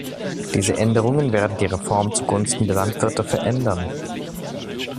Diese Änderungen werden die Reform zugunsten der Landwirte verändern.